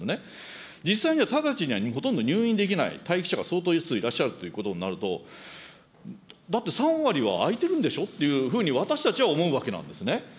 実際には直ちに入院できない待機者が相当数いらっしゃるということになると、だって３割は空いてるんでしょというふうに私たちは思うわけなんですね。